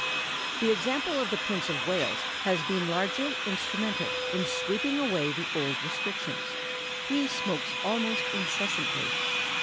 ] The example of the Prince of Wales has been largely instrumental in sweeping away the old restrictions. He smokes almost incessantly.